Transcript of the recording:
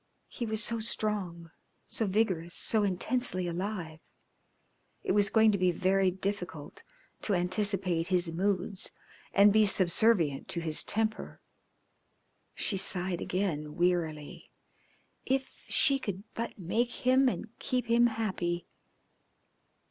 He was so strong, so vigorous, so intensely alive. It was going to be very difficult to anticipate his moods and be subservient to his temper. She sighed again wearily. If she could but make him and keep him happy.